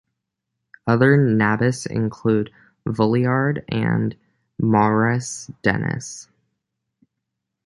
Other Nabis include Vuillard and Maurice Denis.